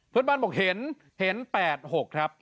เพื่อนบ้านบอกเห็นเห็น๘๖ครับ